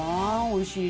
おいしい。